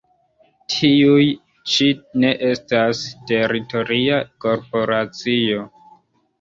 Tiuj ĉi ne estas teritoria korporacio.